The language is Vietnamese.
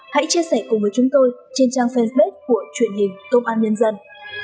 hãy chia sẻ cùng với chúng tôi trên trang facebook của truyền hình tôn an nhân dân